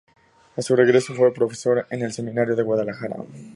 A su regreso, fue profesor en el "Seminario de Guadalajara".